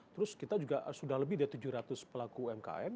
terus kita juga sudah lebih dari tujuh ratus pelaku umkm